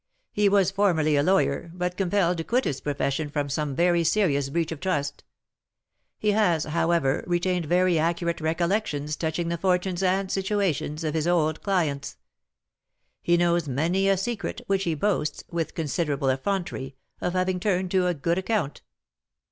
He was formerly a lawyer, but compelled to quit his profession from some very serious breach of trust; he has, however, retained very accurate recollections touching the fortunes and situations of his old clients; he knows many a secret, which he boasts, with considerable effrontery, of having turned to a good account.